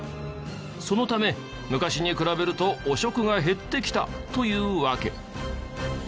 そのため昔に比べると汚職が減ってきたというわけ。